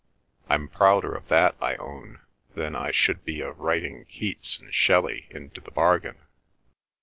I'm prouder of that, I own, than I should be of writing Keats and Shelley into the bargain!"